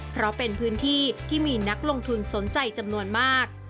เพราะเป็นพื้นที่ที่มีนักลงทุนสนใจจำนวนมาก